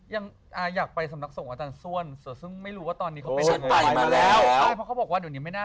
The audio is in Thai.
อยากไปสำนักศพอาจารย์ส้วนซึ่งไม่รู้ว่าตอนนี้เขาไปไหน